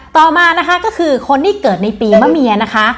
ต่อมานะคะก็คือคนที่เกิดในปีมะเมียนะคะ